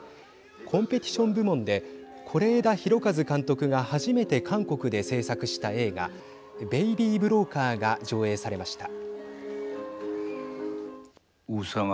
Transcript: コンペティション部門で是枝裕和監督が初めて韓国で製作した映画ベイビー・ブローカーが上映されました。